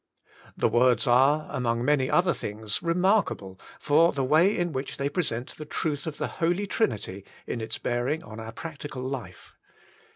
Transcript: The words are, among many other things, re markable for the way in which they present the truth of the Holy Trinity in its bearing on our practical life.